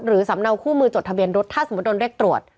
สำเนาคู่มือจดทะเบียนรถถ้าสมมุติโดนเรียกตรวจ